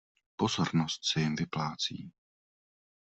Pozornost se jim vyplácí.